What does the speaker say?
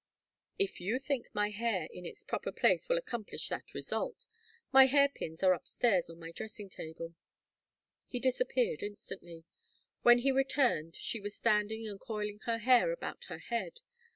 "If you think my hair in its proper place will accomplish that result my hair pins are up stairs on my dressing table " He disappeared instantly. When he returned she was standing and coiling her hair about her head.